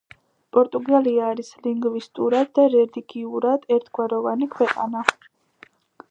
პორტუგალია არის ლინგვისტურად და რელიგიურად ერთგვაროვანი ქვეყანა.